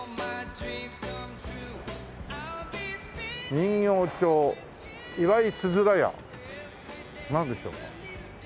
「人形町」「いわいつづらや」なんでしょうか？